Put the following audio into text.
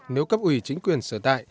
nếu cấp ủy chính quyền sở tại